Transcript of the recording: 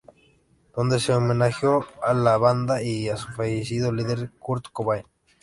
Donde se homenajeó a la banda y a su fallecido líder, Kurt Cobain.